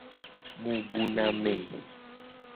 Mu bu na me.